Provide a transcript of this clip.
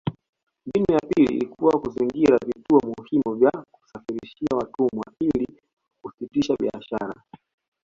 Mbinu ya pili ilikuwa kuzingira vituo muhimu vya kusafirishia watumwa ili kusitisha biashara